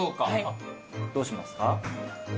どうしますか？